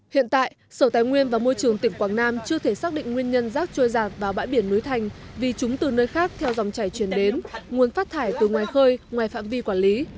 hiện tại sở tài nguyên và môi trường tỉnh quảng nam chưa thể xác định nguyên nhân rác trôi giạt vào bãi biển núi thành vì chúng từ nơi khác theo dòng chảy chuyển đến nguồn phát thải từ ngoài khơi ngoài phạm vi quản lý